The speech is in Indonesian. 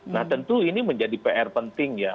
nah tentu ini menjadi pr penting ya